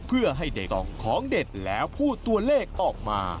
เพื่อให้เด็กออกของเด็ดแล้วพูดตัวเลขออกมา